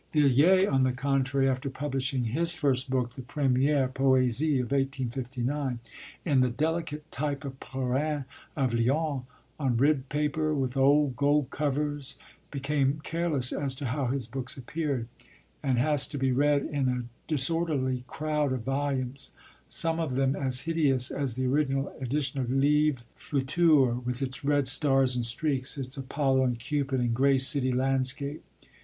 Villiers, on the contrary, after publishing his first book, the Premières Poésies of 1859, in the delicate type of Perrin of Lyons, on ribbed paper, with old gold covers, became careless as to how his books appeared, and has to be read in a disorderly crowd of volumes, some of them as hideous as the original edition of L'Eve Future, with its red stars and streaks, its Apollo and Cupid and grey city landscape.